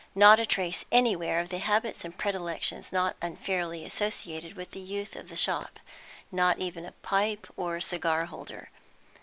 Not a trace anywhere of the habits and predilections not unfairly associated with the youth of the shop, not even a pipe or a cigar holder.